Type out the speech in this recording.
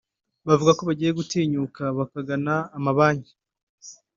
Bavuga ko bagiye gutinyuka bakagana amabanki